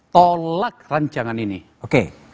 tolak rancangan ini oke